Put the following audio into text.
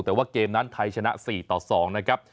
แต่ว่าเกมนั้นไทยชนะ๔๒